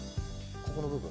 ここの部分。